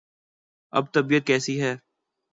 اب طبیعت کیسی ہے؟